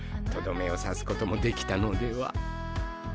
とどめを刺すこともできたのでは。